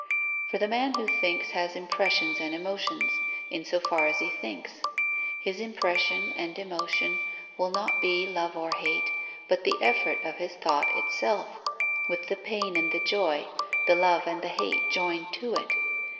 For the man who thinks has impressions and emotions, in so far as he thinks. His impression and emotion will not be love or hate, but the effort of his thought itself, with the pain and the joy, the love and the hate joined to it.